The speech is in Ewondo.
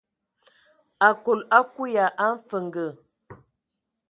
Akol akui ya a mfənge.